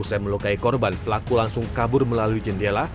usai melukai korban pelaku langsung kabur melalui jendela